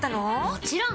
もちろん！